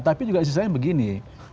tapi juga istilahnya begini